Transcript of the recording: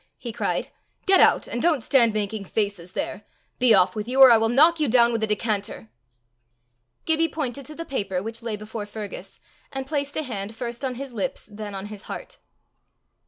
he cried. "Get out and don't stand making faces there. Be off with you, or I will knock you down with a decanter." Gibbie pointed to the paper, which lay before Fergus, and placed a hand first on his lips, then on his heart.